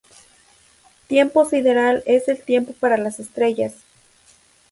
Tiempo sideral es el tiempo para las estrellas.